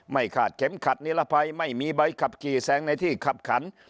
ไม่ขาดเข็มขัดนิรภัยไม่มีใบขับขี่แสงในที่ขับขัน